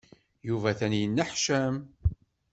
Yuba atan yenneḥcam.